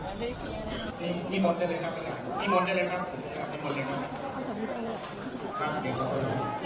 นักโมทรัพย์ภักวะโตอาระโตสัมมาสัมพุทธศาสตร์